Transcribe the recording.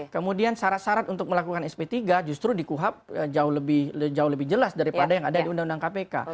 kemudian syarat syarat untuk melakukan sp tiga justru di kuhap jauh lebih jelas daripada yang ada di undang undang kpk